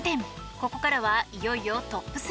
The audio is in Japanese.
ここからはいよいよトップ３。